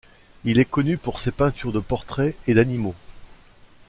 Il est connu pour ses peintures de portraits et d'animaux.